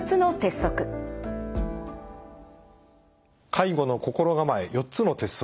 「介護の心構え４つの鉄則」。